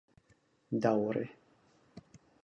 daŭre